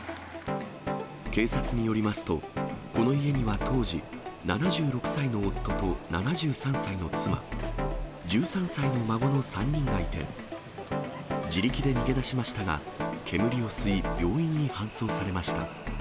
警察によりますと、この家には当時、７６歳の夫と７３歳の妻、１３歳の孫の３人がいて、自力で逃げ出しましたが、煙を吸い病院に搬送されました。